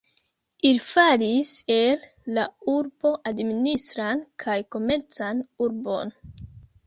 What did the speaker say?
Ili faris el la urbo administran kaj komercan urbon.